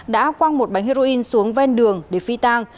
đã quăng một bánh heroin